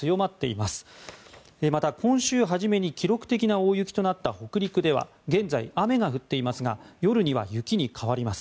また、今週初めに記録的な大雪となった北陸では現在、雨が降っていますが夜には雪に変わります。